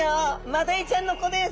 マダイちゃんの子です。